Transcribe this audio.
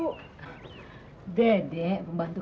like share dan layarnya